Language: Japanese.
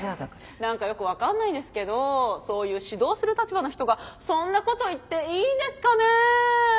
何かよく分かんないんですけどそういう指導する立場の人がそんなこと言っていいんですかね？